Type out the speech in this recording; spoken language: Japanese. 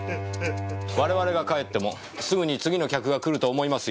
我々が帰ってもすぐに次の客が来ると思いますよ。